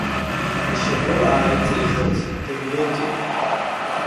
Ишьапы ааиҵихырц, дындәылҵит.